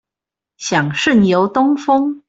想順遊東峰